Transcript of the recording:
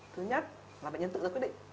thứ nhất là bệnh nhân tự quyết định